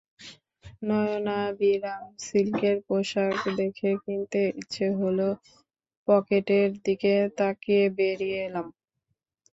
নয়নাভিরাম সিল্কের পোশাক দেখে কিনতে ইচ্ছে হলেও পকেটের দিকে তাকিয়ে বেরিয়ে এলাম।